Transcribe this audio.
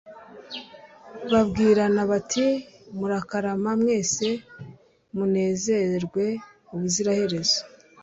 babwirana bati murakarama mwese, munezerwe ubuziraherezo